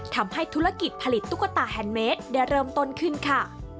ทำให้ธุรกิจผลิตตุ๊กตาแฮนดเมสได้เริ่มต้นขึ้นค่ะ